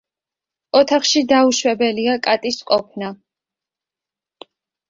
ოთახში დაუშვებელია კატის ყოფნა.